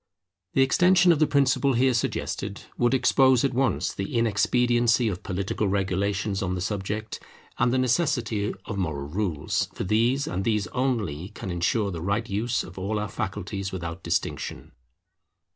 The extension of the principle here suggested would expose at once the inexpediency of political regulations on the subject, and the necessity of moral rules; for these and these only can ensure the right use of all our faculties without distinction.